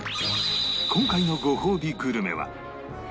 今回のごほうびグルメは